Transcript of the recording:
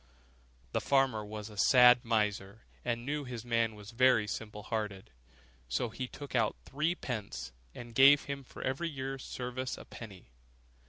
The farmer was a sad miser, and knew that his man was very simple hearted; so he took out threepence, and gave him for every year's service a penny.